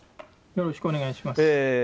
よろしくお願いします。